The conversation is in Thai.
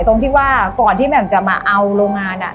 ตรงที่ว่าก่อนที่แหม่มจะมาเอาโรงงาน